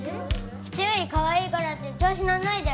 ・人よりカワイイからって調子乗んないで